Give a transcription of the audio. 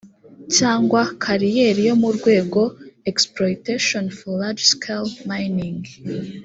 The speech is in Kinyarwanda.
cyangwa kariyeri yo mu rwego exploitation for large scale mining